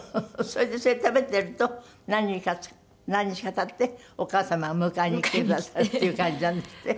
それでそれ食べてると何日か経ってお母様が迎えに来てくださるっていう感じなんですって？